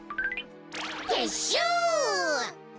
てっしゅう！